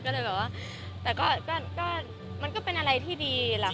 ก็เลยแบบว่าแต่ก็มันก็เป็นอะไรที่ดีหลัง